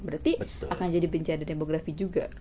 berarti akan jadi bencana demografi juga